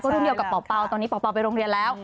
ก็รูปเดียวกับป่าวตอนนี้ป่าวไปโรงเรียนแล้ว